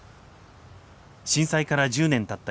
震災から１０年たった